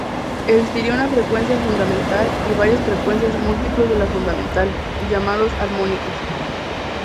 Existiría una frecuencia fundamental y varias frecuencias múltiplos de la fundamental, llamados armónicos.